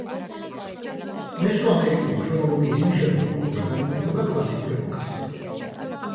მესოამერიკული ქრონოლოგიის მიხედვით კულტურა განეკუთვნება კლასიკურ ეპოქას.